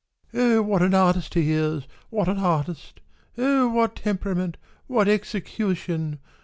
" Oh, what an artist he is, what an artist ! Oh, what temperament, what execu tion